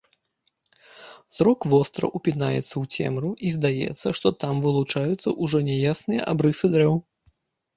Зрок востра ўпінаецца ў цемру, і здаецца, што там вылучаюцца ўжо няясныя абрысы дрэў.